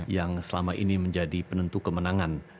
yang selama ini menjadi penentu kemenangan